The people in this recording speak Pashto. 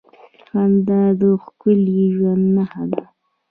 • خندا د ښکلي ژوند نښه ده.